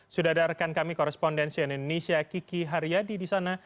sudah ada rekan kami korespondensi indonesia kiki haryadi di sana